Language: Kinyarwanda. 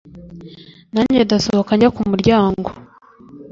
nanjye ndasohoka njya ku muryango